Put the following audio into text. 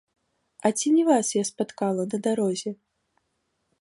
А ці не вас я спаткала на дарозе?